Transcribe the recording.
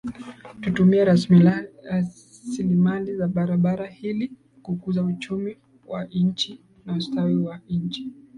Tutumie rasilimali za bahari ili kukuza uchumi wa nchi na ustawi wa wananchi